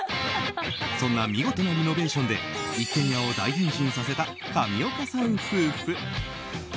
そんな見事なリノベーションで一軒家を大変身させた上岡さん夫婦。